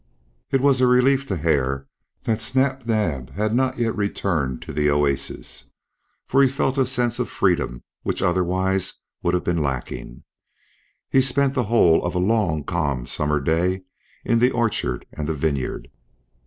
It was a relief to Hare that Snap Naab had not yet returned to the oasis, for he felt a sense of freedom which otherwise would have been lacking. He spent the whole of a long calm summer day in the orchard and the vineyard.